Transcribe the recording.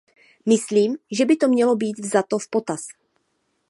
Myslím, že by to mělo být vzato v potaz.